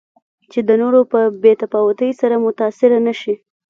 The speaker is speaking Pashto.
چې د نورو په بې تفاوتۍ سره متأثره نه شي.